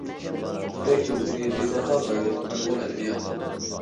يىپەك يولىدىكى بىباھا بايلىق — ئۇيغۇر ئەدەبىياتى.